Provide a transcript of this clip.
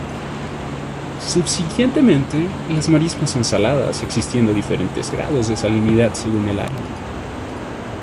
Subsiguientemente las marismas son saladas existiendo diferentes grados de salinidad según el área.